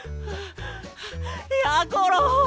やころ！